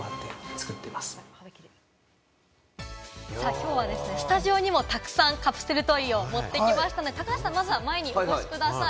きょうはスタジオにもたくさんカプセルトイを持ってきましたので、高橋さん、まずは前にお越しください。